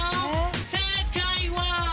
「正解は」